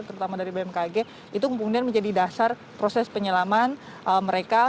terutama dari bmkg itu kemudian menjadi dasar proses penyelaman mereka